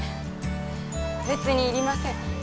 別にいりません。